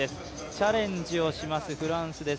チャレンジをします日本です。